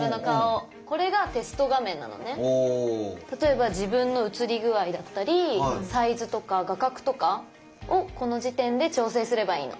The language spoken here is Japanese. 例えば自分の映り具合だったりサイズとか画角とかをこの時点で調整すればいいの。